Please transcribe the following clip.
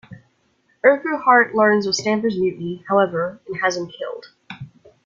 Urquhart learns of Stamper's mutiny, however, and has him killed.